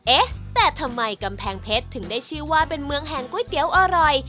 เอ๊ะแต่ทำไมกำแพงเพชรถึงได้ชื่อว่าเป็นเมืองแห่งก๋วยเตี๋ยวอร่อย